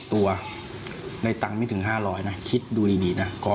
ถ้าไม่ถึง๕๐๐บาทนะคิดดูดีนะ